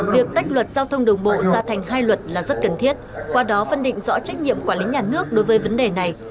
việc tách luật giao thông đường bộ ra thành hai luật là rất cần thiết qua đó phân định rõ trách nhiệm quản lý nhà nước đối với vấn đề này